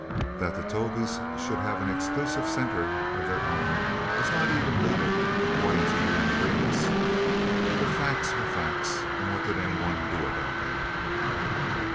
That the Tovies should have an exclusive center of their own was not even legal, according to U.N. agreements. But facts were facts, and what did anyone do about them?